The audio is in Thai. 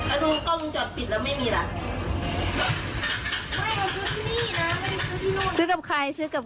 เออก็ใช่แต่ว่าเราซื้อร้านผอม